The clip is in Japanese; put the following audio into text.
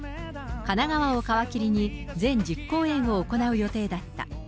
神奈川を皮切りに、全１０公演を行う予定だった。